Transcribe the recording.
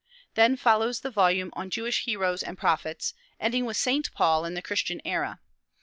Then follows the volume on "Jewish Heroes and Prophets," ending with St. Paul and the Christian Era.